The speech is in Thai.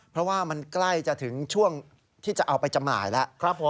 เพราะว่ามันใกล้จะถึงช่วงที่จะเอาไปจำหน่ายแล้ว